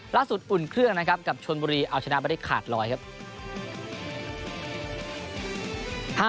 อุ่นเครื่องนะครับกับชนบุรีเอาชนะไม่ได้ขาดรอยครับ